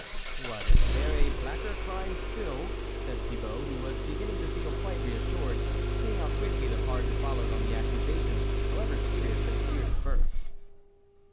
" What, is there a blacker crime still," said Thibault, who was beginning to feel quite reassured, seeing how quickly the pardon followed on the accusation ; how ever serious it appeared at first.